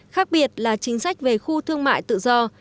khác biệt là chính sách về khu thương mại tự do